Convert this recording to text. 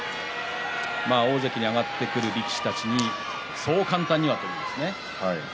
大関に上がってくる力士たちに、そう簡単にはということですね。